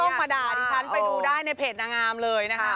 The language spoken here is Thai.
มาด่าดิฉันไปดูได้ในเพจนางงามเลยนะคะ